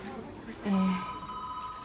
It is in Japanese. ええ。